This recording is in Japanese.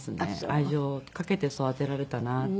愛情をかけて育てられたなっていう。